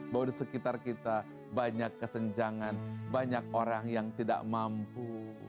bahwa di sekitar kita banyak kesenjangan banyak orang yang tidak mampu